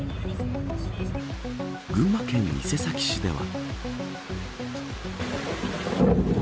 群馬県伊勢崎市では。